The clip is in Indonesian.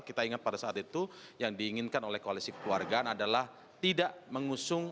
kita ingat pada saat itu yang diinginkan oleh koalisi kekeluargaan adalah tidak mengusung